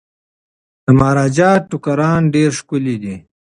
د مهاراجا ټوکران ډیر ښکلي دي.